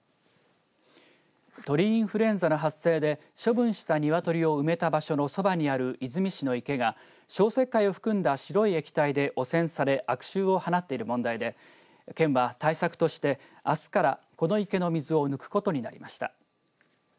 鳥インフルエンザの発生で処分した鶏を埋めた場所のそばにある出水市の池が消石灰を含んだ白い液体で汚染され悪臭を放っている問題で県は対策としてあすからこの池の水を抜くことになりました。